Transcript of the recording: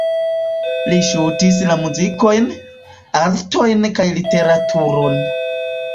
Li ŝatis la muzikojn, artojn kaj literaturon.